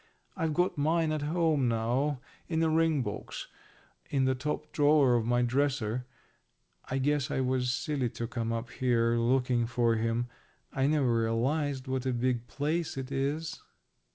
I've got mine at home now in a ring box in the top drawer of my dresser. I guess I was silly to come up here looking for him. I never realized what a big place it is."